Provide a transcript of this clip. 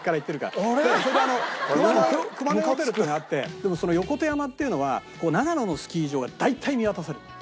でもその横手山っていうのは長野のスキー場が大体見渡せるの。